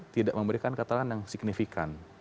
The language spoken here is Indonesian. tidak memberikan keterangan yang signifikan